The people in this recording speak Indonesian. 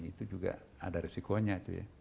itu juga ada risikonya